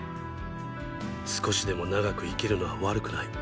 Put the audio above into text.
少しでも永く生きるのは悪くない。